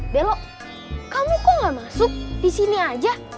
delo kamu kok gak masuk disini aja